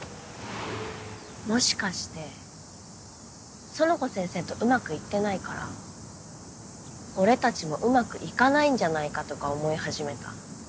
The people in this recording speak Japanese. もしかして苑子先生とうまくいってないから俺たちもうまくいかないんじゃないかとか思い始めた？